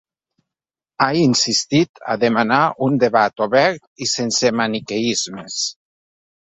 Ha insistit a demanar un debat obert i sense maniqueismes.